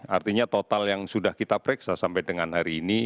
artinya total yang sudah kita periksa sampai dengan hari ini